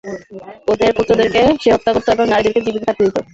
ওদের পুত্রদেরকে সে হত্যা করত এবং নারীদেরকে জীবিত থাকতে দিত।